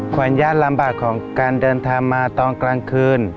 ความยากลำบากของการเดินทางมาตอนกลางคืน